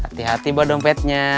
hati hati bawang dompetnya